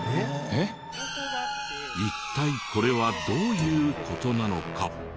一体これはどういう事なのか？